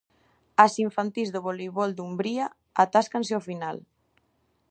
As infantís do Voleibol Dumbría atáscanse ao final.